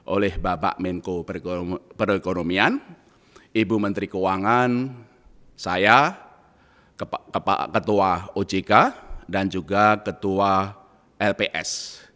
oleh bapak menko perekonomian ibu menteri keuangan saya ketua ojk dan juga ketua lps